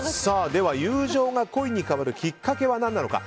では友情が恋に変わるきっかけは何なのか。